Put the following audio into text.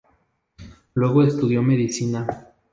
Luego estudió medicina.